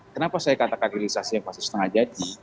kenapa saya katakan hilisasi yang masih setengah jadi